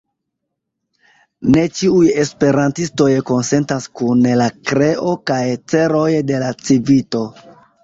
Ne ĉiuj esperantistoj konsentas kun la kreo kaj celoj de la Civito.